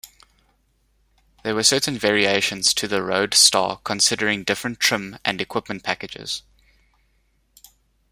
There were certain variations to the Road Star considering different trim and equipment packages.